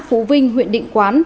xã phú vinh huyện định quán